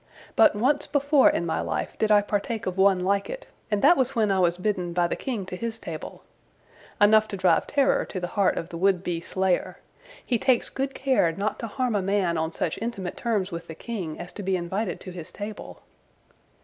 But once before in my life did I partake of one like it, and that was when I was bidden by the king to his table"—enough to drive terror to the heart of the would be slayer. He takes good care not to harm a man on such intimate terms with the king as to be invited to his table!